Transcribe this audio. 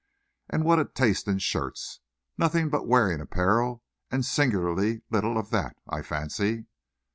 And what a taste in shirts! Nothing but wearing apparel and singularly little of that, I fancy."